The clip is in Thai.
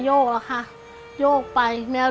ตอนนอนก็กลัว